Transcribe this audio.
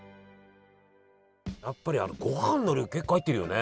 やっぱりごはんの量結構入ってるよね。